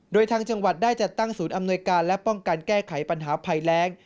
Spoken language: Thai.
โดยทางจังหวัดได้จัดตั้งศูนย์อำนวยการและป้องกันแก้ไขปัญหาภัยแรง